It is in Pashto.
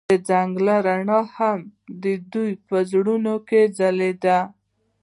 د ځنګل رڼا هم د دوی په زړونو کې ځلېده.